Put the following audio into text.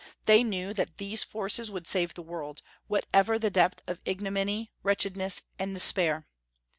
They knew that these forces would save the world, whatever the depth of ignominy, wretchedness, and despair.